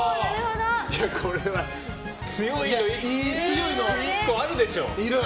これは強いの１個あるでしょ。